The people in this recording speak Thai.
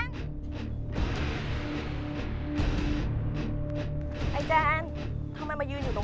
ไขว้ขาไขว้ขาไขว้ขา